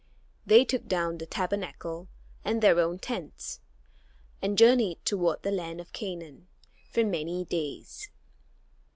They took down the Tabernacle and their own tents, and journeyed toward the land of Canaan for many days.